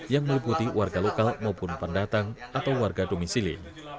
yang meliputi warga lokal maupun pendatang atau warga domisili